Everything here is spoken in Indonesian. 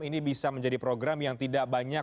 ini bisa menjadi program yang tidak banyak